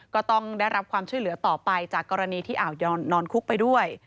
ก็ต้องได้รับความช่วยเหลือต่อไปจากกรณีที่อ่าวนอนคุกไปด้วย